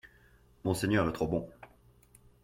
Monseigneur est trop bon